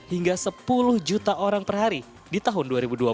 hingga sepuluh juta orang per hari di tahun dua ribu dua puluh